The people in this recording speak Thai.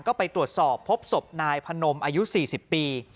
ก็ไปตรวจสอบพบศพนายพนมอายุ๔๐ปี